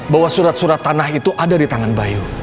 bahwa surat surat tanah itu ada di tangan bayu